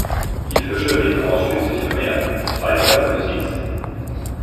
Die Fische leben ausschließlich im Meer, teilweise in der Tiefsee.